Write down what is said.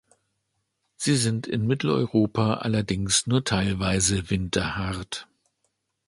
Sie sind in Mitteleuropa allerdings nur teilweise winterhart.